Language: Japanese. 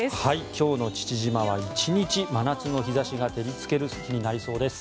今日の父島は１日、真夏の日差しが照りつける日になりそうです。